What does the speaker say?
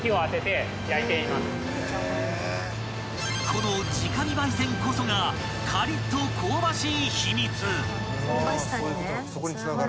［この直火焙煎こそがカリッと香ばしい秘密］